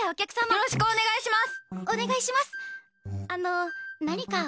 よろしくお願いします！